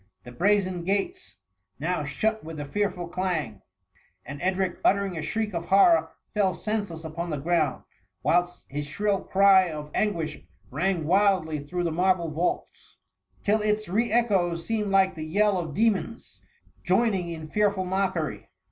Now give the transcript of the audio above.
The brazen gates now shut with a fearful clang, and Edric, uttering a shriek of horror, fell senseless upon the ground, whilst his shrill cry of an guish rang wildly through the marble vaults, THE MUMMY. S21 till its re echoes seemed like the yell of demons joining in fearful mockery.